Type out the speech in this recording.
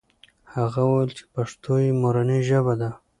هغه وویل چې پښتو یې مورنۍ ژبه ده.